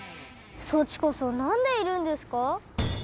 そっちこそなんでいるんですか？